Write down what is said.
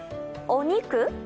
お肉？